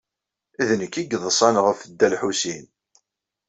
D nekk ay yeḍsan ɣef Dda Lḥusin.